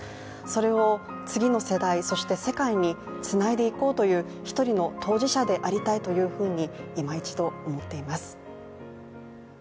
それを次の世代、そして世界につないでいこうという一人の当事者でありたいというふうに今一度、思っています。